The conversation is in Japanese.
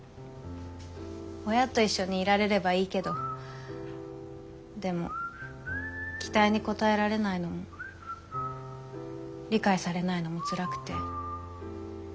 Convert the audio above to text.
親と一緒にいられればいいけどでも期待に応えられないのも理解されないのもつらくて。